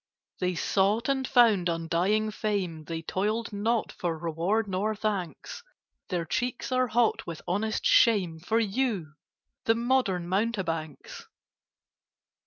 They sought and found undying fame: They toiled not for reward nor thanks: Their cheeks are hot with honest shame For you, the modern mountebanks!